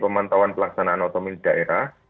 pemantauan pelaksanaan otomil di daerah